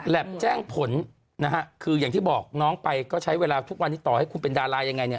แจ้งผลนะฮะคืออย่างที่บอกน้องไปก็ใช้เวลาทุกวันนี้ต่อให้คุณเป็นดารายังไงเนี่ย